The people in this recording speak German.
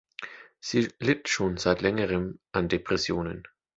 Sie litt schon seit längerem an Depressionen.